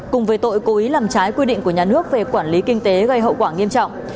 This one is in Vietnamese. cùng với tội cố ý làm trái quy định của nhà nước về quản lý kinh tế gây hậu quả nghiêm trọng